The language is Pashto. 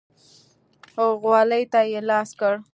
غولي ته يې لاس کړ.